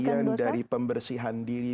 bagian dari pembersihan diri